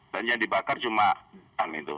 dan yang dibakar cuma an itu